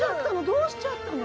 どうしちゃったの？